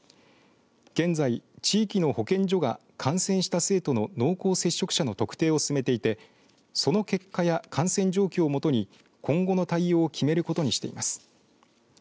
現在、地域の保健所が感染した生徒の濃厚接触者の特定を進めていてその結果や感染状況をもとに今後の対応を決めることにしています。